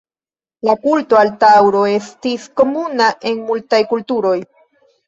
La kulto al taŭro estis komuna en multaj kulturoj.